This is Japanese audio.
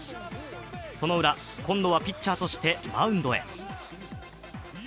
そのウラ、今度はピッチャーとしてマウンドへ。